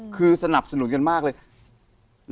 คือสนับสนุนกันมากเลย